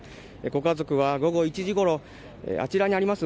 ご家族後は午後１時ごろあちらにあります